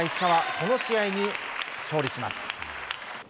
この試合に勝利します。